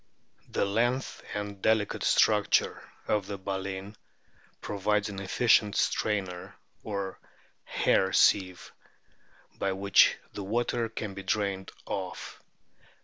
... The length and delicate structure of the baleen provides an efficient strainer or hair sieve, by which the water can be drained off.